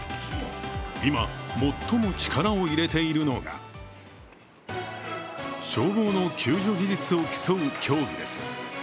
今、最も力を入れているのが消防の救助技術を競う競技です。